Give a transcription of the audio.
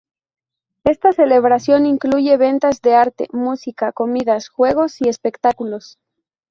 Esta celebración incluye ventas de arte, música, comidas, juegos, y espectáculos.